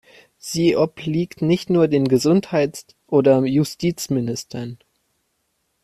Sie obliegt nicht nur den Gesundheitsoder Justizministern.